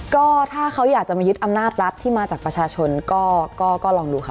ก็ถ้าเขาอยากจะมายึดอำนาจรัฐที่มาจากประชาชนก็ลองดูค่ะ